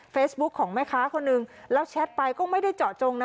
ของแม่ค้าคนหนึ่งแล้วแชทไปก็ไม่ได้เจาะจงนะ